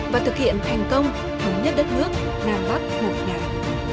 và thực hiện thành công thứ nhất đất nước nam bắc một ngày